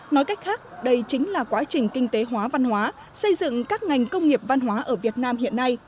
nói cách khác đây chính là quá trình kinh tế hóa văn hóa xây dựng các ngành công nghiệp văn hóa ở việt nam hiện nay